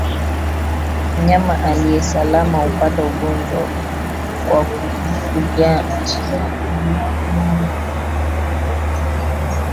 Mnyama aliyesalama hupata ugonjwa kwa kugusana na mnyama aliyeathirika